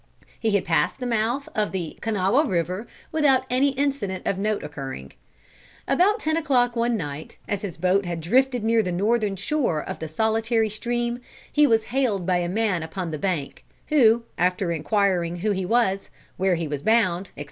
He had passed the mouth of the Kanawha River without any incident of note occurring. About ten o'clock one night, as his boat had drifted near the northern shore of the solitary stream, he was hailed by a man upon the bank, who, after inquiring who he was, where he was bound, etc.